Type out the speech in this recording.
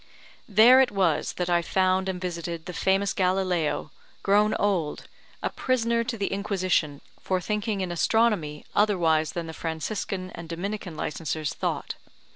There it was that I found and visited the famous Galileo, grown old, a prisoner to the Inquisition, for thinking in astronomy otherwise than the Franciscan and Dominican licensers thought.